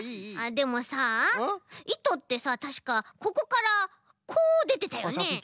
でもさいとってさたしかここからこうでてたよね。